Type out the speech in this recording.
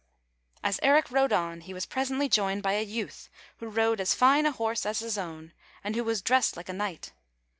" As Eric rode on he was presently joined by a youth who rode as fine a horse as his own, and who was dressed like a knight.